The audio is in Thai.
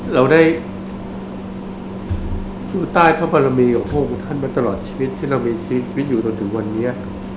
เราได้สู้ใต้พระบารมีของพระองค์ท่านมาตลอดชีวิตที่เรามีชีวิตอยู่จนถึงวันนี้